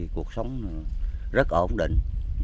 cuộc sống rất ổn định